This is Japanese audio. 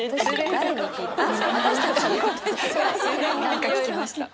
何か聞きました。